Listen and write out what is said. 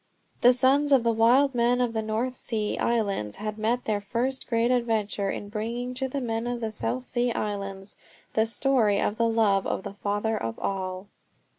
The sons of the wild men of the North Sea Islands had met their first great adventure in bringing to the men of the South Sea Islands the story of the love of the Father of all.